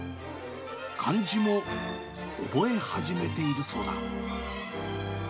漢字も覚え始めているそうだ。